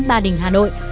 bà đình hà nội